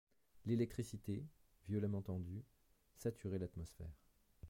L’électricité, violemment tendue, saturait l’atmosphère.